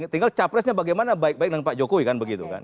tinggal capresnya bagaimana baik baik dengan pak jokowi kan begitu kan